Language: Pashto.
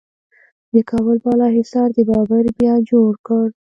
د کابل بالا حصار د بابر بیا جوړ کړ